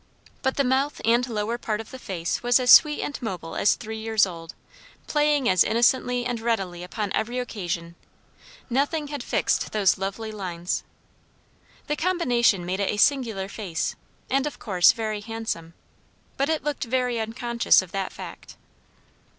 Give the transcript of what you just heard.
But the mouth and lower part of the face was as sweet and mobile as three years old; playing as innocently and readily upon every occasion; nothing had fixed those lovely lines. The combination made it a singular face, and of course very handsome. But it looked very unconscious of that fact.